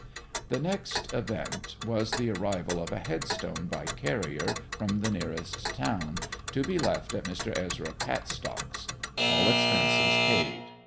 The next event was the arrival of a headstone by carrier from the nearest town; to be left at Mr. Ezra Cattstock's; all expenses paid.